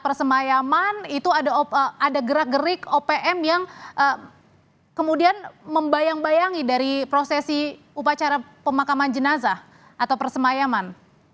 persemayaman itu ada gerak gerik opm yang kemudian membayang bayangi dari prosesi upacara pemakaman jenazah atau persemayaman